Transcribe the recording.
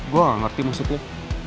gue nggak ngerti maksudnya